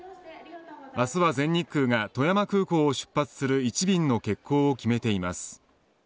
明日は全日空が、富山空港を出発する１便の欠航を決めています。